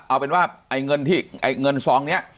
เอาเป็นว่าเงินที่เงินซองเนี่ย